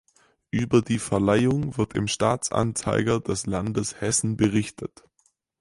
Über die Verleihung wird im Staatsanzeiger des Landes Hessen berichtet.